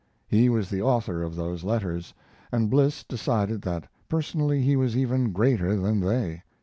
He was the author of those letters, and Bliss decided that personally he was even greater than they.